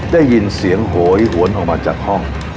ได้ยินเสียงโหยหวนออกมาจากห้อง